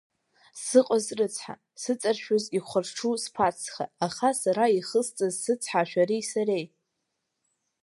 Сыҟаз рыцҳа, сыҵаршәыз ихәарҽу сԥацха, аха сара ихысҵаз сыцҳа шәареи сареи…